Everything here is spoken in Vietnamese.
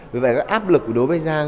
vì vậy áp lực đối với giang đối với các bạn